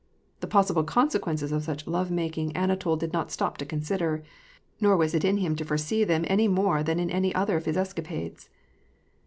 The possible consequences of such love making Anatol did not stop to consider ; nor ^as it in him to foresee them any more than in any other of his escapades.